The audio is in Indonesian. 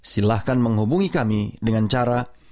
silahkan menghubungi kami dengan cara